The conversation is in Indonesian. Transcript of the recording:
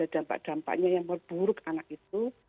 ada dampak dampaknya yang memburuk anak itu